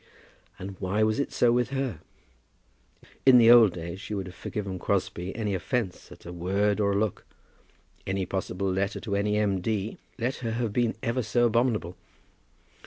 And why was it so with her? In the old days she would have forgiven Crosbie any offence at a word or a look, any possible letter to any M. D., let her have been ever so abominable!